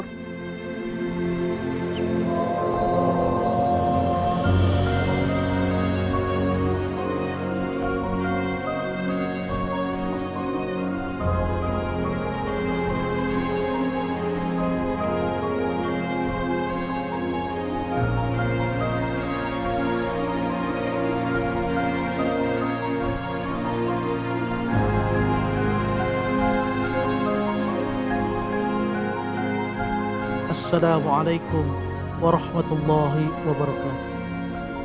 assalamualaikum warahmatullahi wabarakatuh